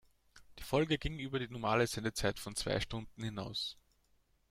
Die Folge ging über die normale Sendezeit von zwei Stunden hinaus.